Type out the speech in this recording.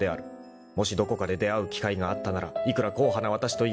［もしどこかで出会う機会があったならいくら硬派なわたしといえど